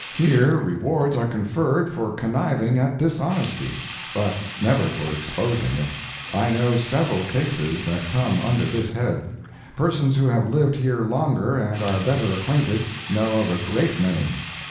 Here rewards are conferred for conniving at dishonesty, but never for exposing it. I know several cases that come under this head; persons who have lived here longer and are better acquainted, know of a great many.